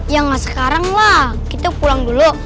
ya nggak sekarang lah kita pulang dulu